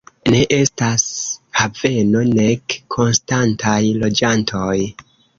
Ne estas haveno, nek konstantaj loĝantoj.